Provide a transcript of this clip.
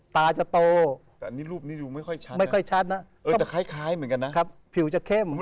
ตาจะโตแต่อันนี้รูปนี้ดูไม่ค่อยชัดไม่ค่อยชัดนะเออแต่คล้ายเหมือนกันนะผิวจะเข้ม